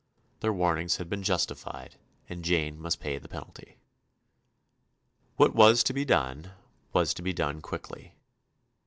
Their warnings had been justified, and Jane must pay the penalty. What was to be done was to be done quickly.